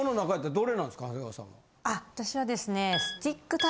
あ私はですね。